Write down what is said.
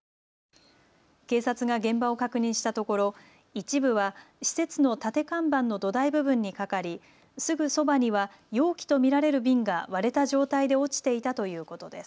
警察が現場を確認したところ一部は施設の立て看板の土台部分にかかり、すぐそばには容器と見られる瓶が割れた状態で落ちていたということです。